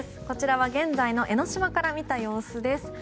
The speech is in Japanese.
こちらは現在の江の島から見た様子です。